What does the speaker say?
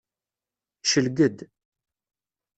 Yecleg-d.